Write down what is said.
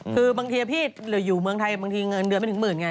คือบางทีพี่อยู่เมืองไทยบางทีเงินเดือนไม่ถึงหมื่นไง